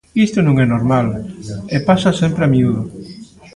Isto non é normal, e pasa sempre a miúdo